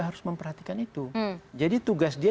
harus memperhatikan itu jadi tugas dia